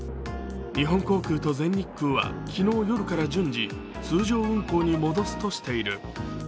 日本航空と全日空は昨日夜から順次、通常運航に戻すとしている。